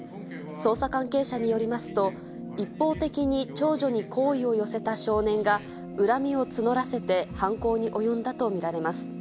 捜査関係者によりますと、一方的に長女に好意を寄せた少年が、恨みを募らせて犯行に及んだと見られます。